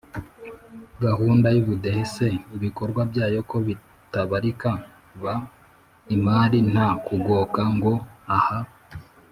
gahunda y’ubudehe se ibikorwa byayo ko bitabarika baimari nta kugoka, ngo aha